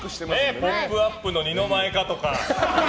「ポップＵＰ！」の二の舞かとか。